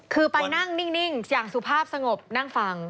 คือไปนั่งนิ่งอย่างสุภาพสงบนั่งฟัง